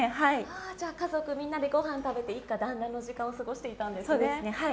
家族みんなでご飯食べて一家団らんの時間を過ごしていたんですね。